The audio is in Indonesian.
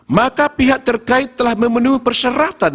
maka pihak terkait telah memenuhi persyaratan